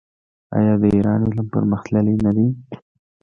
آیا د ایران علم پرمختللی نه دی؟